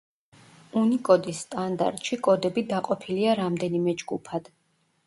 უნიკოდის სტანდარტში კოდები დაყოფილია რამდენიმე ჯგუფად.